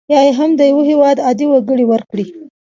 یا یې هم د یو هیواد عادي وګړي ورکړي.